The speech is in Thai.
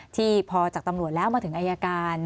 ที่พอจากตำรวจแล้วมาถึงอายการ